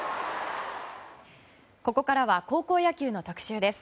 ここからは高校野球の特集です。